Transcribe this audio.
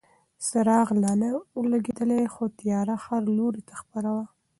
څراغ لا نه و لګېدلی خو تیاره هر لوري ته خپره وه.